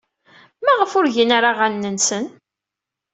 Maɣef ur gin ara aɣanen-nsen?